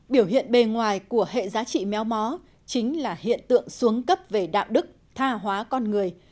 biểu hiện bề ngoài của hệ giá trị méo mó chính là hiện tượng xuống cấp về đạo đức tha hóa con người